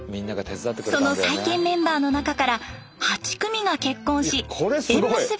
その再建メンバーの中から８組が結婚し縁結び